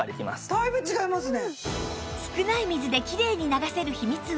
だいぶ違いますね。